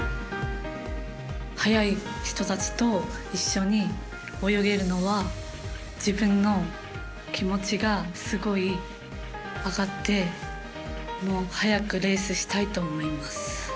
速い人たちと一緒に泳げるのは自分の気持ちがすごい上がってもう、早くレースしたいと思います。